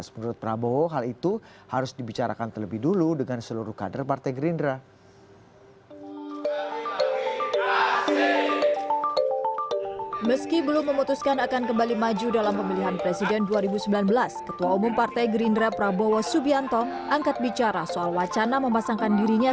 meski hal itu harus dibicarakan terlebih dulu dengan seluruh kader partai gerindra